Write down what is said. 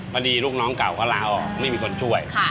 ลูกน้องเก่าก็ลาออกไม่มีคนช่วย